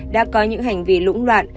đã có những hành vi lũng loạn